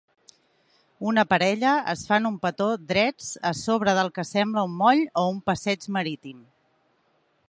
Una parella es fan un petó drets a sobre del que sembla un moll o un passeig marítim.